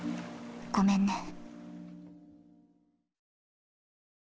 ごめんね。